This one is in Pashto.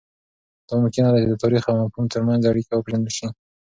دا ممکنه ده چې د تاریخ او مفهوم ترمنځ اړیکه وپېژندل سي.